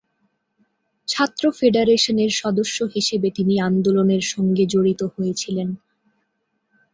ছাত্র ফেডারেশনের সদস্য হিসেবে তিনি আন্দোলনের সঙ্গে জড়িত হয়েছিলেন।